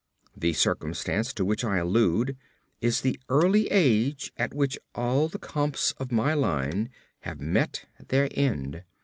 The circumstance to which I allude is the early age at which all the Comtes of my line had met their end.